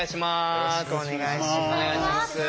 よろしくお願いします。